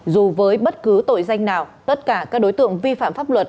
dù với bất cứ tội danh nào tất cả các đối tượng vi phạm pháp luật